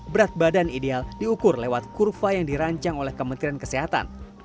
berat badan ideal diukur lewat kurva yang dirancang oleh kementerian kesehatan